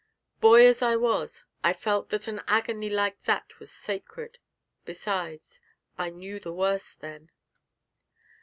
Boy as I was, I felt that an agony like that was sacred; besides, I knew the worst then.